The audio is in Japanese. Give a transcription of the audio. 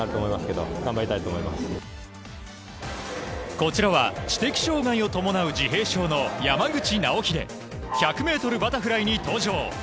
こちらは知的障害を伴う自閉症の山口尚秀１００ｍバタフライに登場。